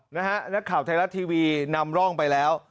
นักข่าวไทยรัฐทีวีนำร่องไปแล้ว